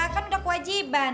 kan udah kewajiban